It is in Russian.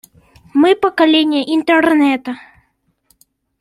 Мы — поколение Интернета.